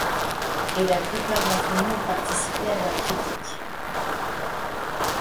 Et la plupart d'entre nous ont participé à leur critique.